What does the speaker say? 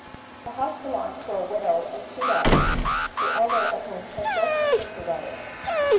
The house belonged to a widow with two daughters, the elder of whom had just been blooded.